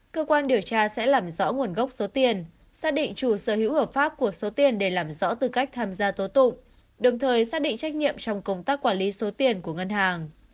cơ quan điều tra sẽ làm rõ nguồn gốc số tiền xác định chủ sở hữu hợp pháp của số tiền để làm rõ tư cách tham gia tố tụng đồng thời xác định trách nhiệm trong công tác quản lý số tiền của ngân hàng